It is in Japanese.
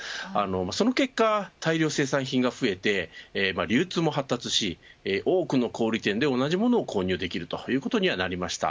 その結果、大量生産品が増えて流通も発達し多くの小売店で同じものを購入できるようになりました。